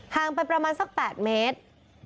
งไปประมาณสัก๘เมตร